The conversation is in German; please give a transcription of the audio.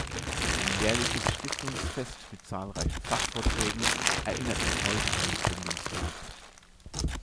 Ein jährliches Stiftungsfest mit zahlreichen Fachvorträgen erinnert noch heute an den Gründungstag.